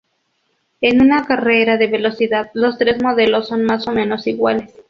En una carrera de velocidad, los tres modelos son más o menos iguales.